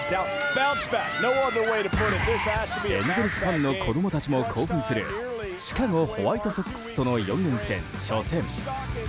エンゼルスファンの子供たちも興奮するシカゴ・ホワイトソックスとの４連戦、初戦。